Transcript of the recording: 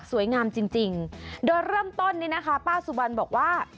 สวยงามจริงโดยเริ่มต้นนี่นะคะป้าสุพรรณบอกว่า